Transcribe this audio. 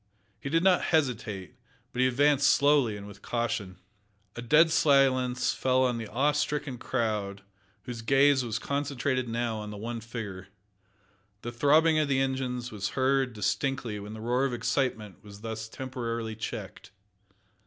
He did not hesitate, but he advanced slowly and with caution. A dead silence fell on the awe stricken crowd, whose gaze was concentrated now on the one figure. The throbbing of the engines was heard distinctly when the roar of excitement was thus temporarily checked.